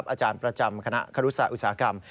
อาจารย์ประจำคณะครุศาอุตสาหกรรม